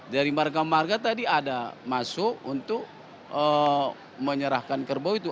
dari marga marga tadi ada masuk untuk menyerahkan kerbau itu